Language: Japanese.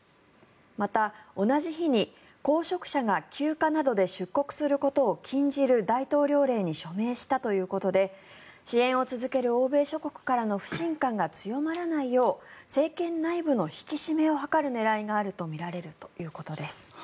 また、同じ日に、公職者が休暇などで出国することを禁じる大統領令に署名したということで支援を続ける欧米諸国からの不信感が強まらないよう政権内部の引き締めを図る狙いがあるとみられるということです。